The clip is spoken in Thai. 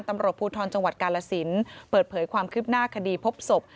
ตำรวจภูทรจังหวัดกาลสินเปิดเผยความคืบหน้าคดีพบศพ